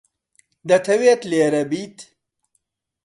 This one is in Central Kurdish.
دەتەوێت لێرە بیت؟